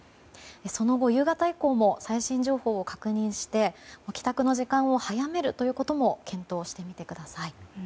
その後、夕方以降も最新情報を確認して帰宅の時間を早めることも検討してみてください。